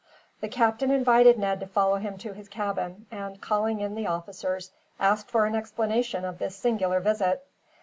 The captain invited Ned to follow him to his cabin and, calling in the officers, asked for an explanation of this singular visit.